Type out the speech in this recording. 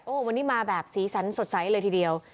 วันนี้มาแบบสีสันสดใสเลยทีเดียว